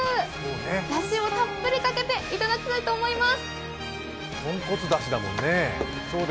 だしをたっぷりかけていただきたいと思います。